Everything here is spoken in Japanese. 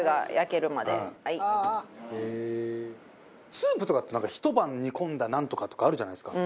スープとかってなんか「ひと晩煮込んだナントカ」とかあるじゃないですか。